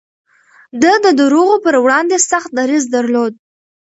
ده د دروغو پر وړاندې سخت دريځ درلود.